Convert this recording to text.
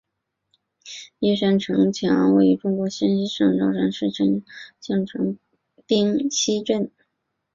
玉山城墙位于中国江西省上饶市玉山县县城冰溪镇。